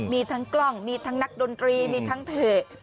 มีทั้งกล้องมีทั้งนักดนตรีมีทั้งเพจ